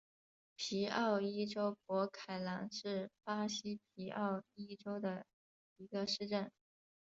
皮奥伊州博凯朗是巴西皮奥伊州的一个市镇。